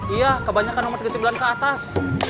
iya kebanyakan nomor tiga puluh sembilan ke atas